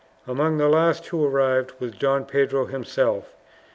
Among the last who arrived was Don Pedro himself.